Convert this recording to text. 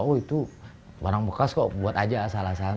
oh itu barang bekas kok buat aja asal asalan